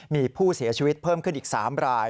มีผู้เสียชีวิตเพิ่มขึ้นอีก๓ราย